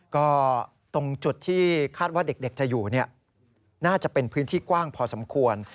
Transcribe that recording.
ก็ตรงจุดที่คาดว่าเด็กจะอยู่น่าจะเป็นพื้นที่กว้างพอสมควร